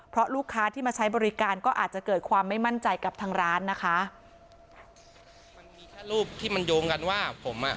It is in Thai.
เพราะลูกค้าที่มาใช้บริการก็อาจจะเกิดความไม่มั่นใจกับทางร้านนะคะมันมีแค่รูปที่มันโยงกันว่าผมอ่ะ